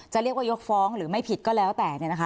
เรียกว่ายกฟ้องหรือไม่ผิดก็แล้วแต่